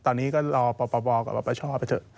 ตอนนี้ก็รอป่ากับประชอบไปเถอะ